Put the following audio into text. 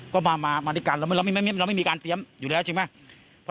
ก็มาด้วยกันเราไม่มีการเตรียมอยู่แล้วใช่ไหม